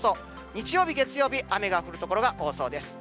日曜日、月曜日、雨が降る所が多そうです。